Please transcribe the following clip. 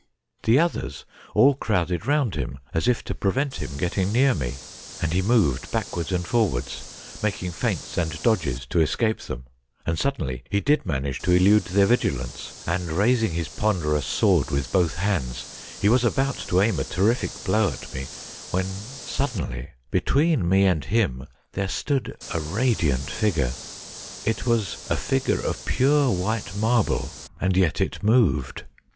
The others all crowded round him as if to prevent him getting near me, and he moved backwards and forwards, making feints and dodges to escape them, and suddenly he did manage to elude their vigilance, and raising his ponderous sword with both hands he was about to aim a terrific blow at me, when suddenly between me and him there stood a radiant figure. It was a figure of pure, white marble, and yet it moved.